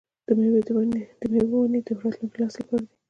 د میوو ونې د راتلونکي نسل لپاره دي.